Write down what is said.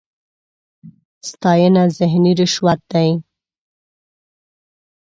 ستاېنه ذهني رشوت دی.